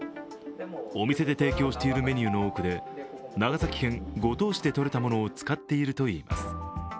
お店で提供しているメニューの多くで、長崎県五島市でとれたものを使っているといいます。